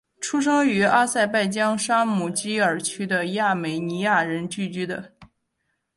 出生于阿塞拜疆沙姆基尔区的亚美尼亚人聚居的。